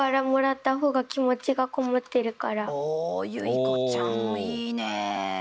おゆいこちゃんいいねえ。